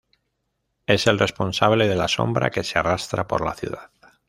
Es el responsable de la sombra que se arrastra por la ciudad.